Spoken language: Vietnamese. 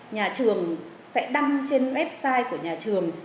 nhà trường sẽ đăng trên website của nhà trường